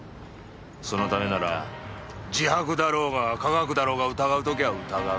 そのためなら自白だろうが科学だろうが疑う時は疑う。